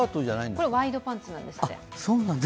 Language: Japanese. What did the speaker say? これワイドパンツなんですって。